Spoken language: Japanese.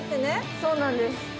そうなんです。